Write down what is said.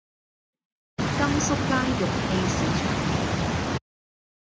甘肅街玉器市場